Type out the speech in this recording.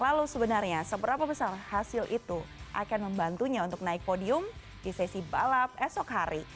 lalu sebenarnya seberapa besar hasil itu akan membantunya untuk naik podium di sesi balap esok hari